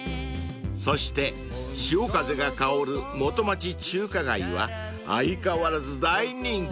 ［そして潮風が香る元町中華街は相変わらず大人気］